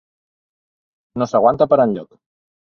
No s’aguanta per enlloc.